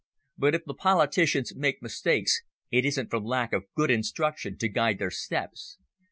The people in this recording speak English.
But if the politicians make mistakes it isn't from lack of good instruction to guide their steps.